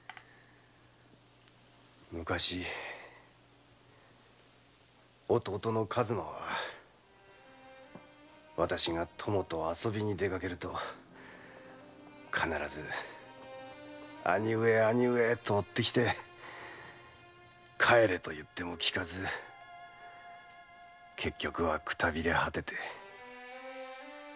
昔弟の数馬は私が友と遊びに出かけると必ず「兄上兄上」と追ってきて「帰れ」と言っても聞かず結局はくたびれ果てて。